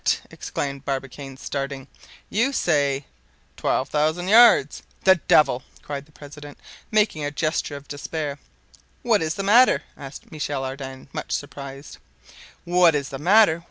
exclaimed Barbicane, starting; "you say—" "Twelve thousand yards." "The devil!" cried the president, making a gesture of despair. "What is the matter?" asked Michel Ardan, much surprised. "What is the matter!